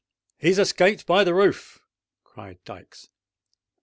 "He has escaped by the roof!" cried Dykes.